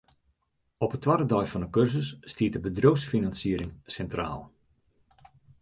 Op 'e twadde dei fan 'e kursus stiet de bedriuwsfinansiering sintraal.